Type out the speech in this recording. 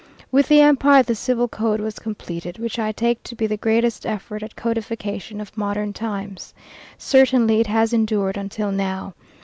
With the Empire the Civil Code was completed, which I take to be the greatest effort at codification of modern times. Certainly it has endured until now.